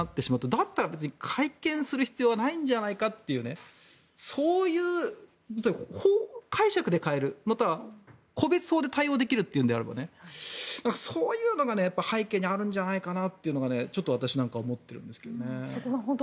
だったら、別に改憲する必要はないんじゃないかという法解釈で変えるまたは個別法で対応できるというのであればそういうのが背景にあるんじゃないかなってのがちょっと私なんかは思ってますよね。